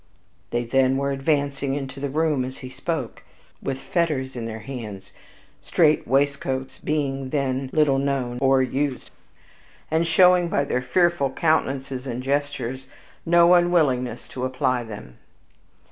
They then were advancing into the room as he spoke, with fetters in their hands (strait waistcoats being then little known or used), and showed, by their frightful countenances and gestures, no unwillingness to apply them.